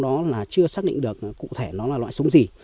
trong đó chưa xác định được cụ thể nó là loại súng gì